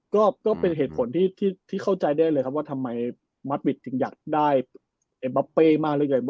ก็เป็นเหตุผลที่เข้าใจได้เลยว่าทำไมมัธวิทย์อยากได้เอ็มบาเปมากเลย